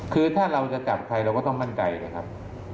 คือถ้าเราจะจับใครเราก็ต้องมั่นใจนะครับ